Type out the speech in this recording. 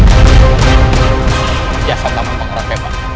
kiasatang membangun rakyat